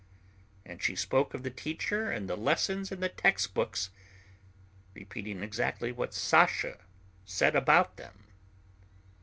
And she spoke of the teacher and the lessons and the text books, repeating exactly what Sasha said about them.